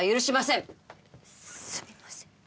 すみません。